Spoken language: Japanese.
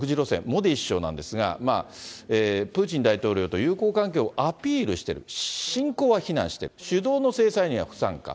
モディ首相なんですが、プーチン大統領と友好関係をアピールしてる、侵攻は非難してる、主導の制裁には不参加。